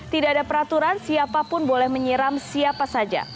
tidak ada peraturan siapapun boleh menyiram siapa saja